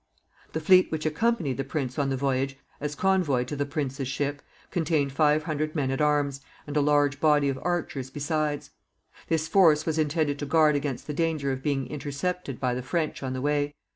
The fleet which accompanied the prince on the voyage, as convoy to the prince's ship, contained five hundred men at arms, and a large body of archers besides. This force was intended to guard against the danger of being intercepted by the French on the way.